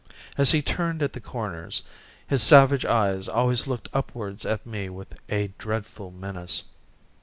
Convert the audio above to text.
As he turned at the corners his savage eyes always looked upwards at me with a dreadful menace.